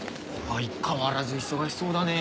相変わらず忙しそうだね。